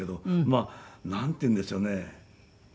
まあなんていうんでしょうね。